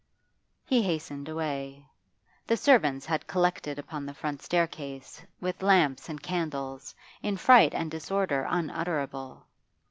He hastened away. The servants had collected upon the front staircase, with lamps and candles, in fright and disorder unutterable.